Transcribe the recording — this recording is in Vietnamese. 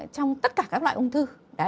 trong tất cả các loại ung thư